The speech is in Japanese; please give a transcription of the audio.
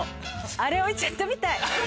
あれを置いちゃったみたい。